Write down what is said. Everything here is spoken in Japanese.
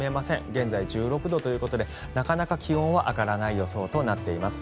現在１６度ということでなかなか気温は上がらない予想となっています。